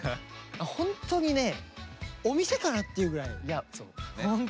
ホントにねお店かなっていうぐらい。